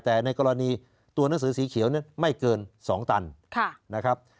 แต่ในกรณีตัวหนังสือสีเขียวเนี่ยไม่เกิน๒ตันนะครับ